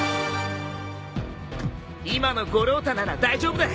今の五郎太なら大丈夫だ！